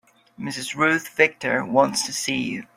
Mrs. Ruth Victor wants to see you.